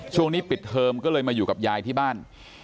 ช่วงนี้ปิดเทอมก็เลยมาอยู่กับยายที่บ้าน